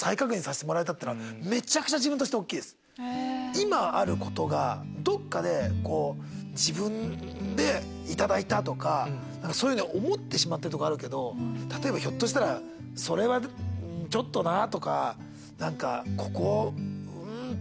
今あることがどっかで自分で頂いたとかそういうふうに思ってしまってるとこあるけど例えばひょっとしたらそれはちょっとなぁとか何かここうん？って